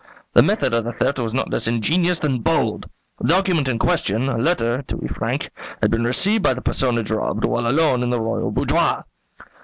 The method of the theft was not less ingenious than bold. The document in question, a letter, to be frank, had been received by the personage robbed while alone in the royal boudoir.